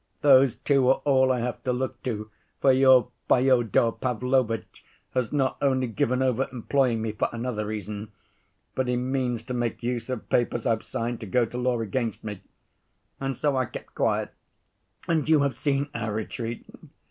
Those two are all I have to look to, for your Fyodor Pavlovitch has not only given over employing me, for another reason, but he means to make use of papers I've signed to go to law against me. And so I kept quiet, and you have seen our retreat.